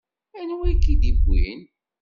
Anwa i k-id-iwwin?